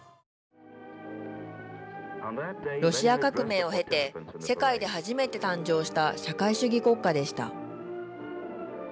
ロシア革命を経て世界で初めて誕生した社会主義国家でした。